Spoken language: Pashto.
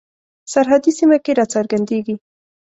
سرحدي سیمه کې را څرګندیږي.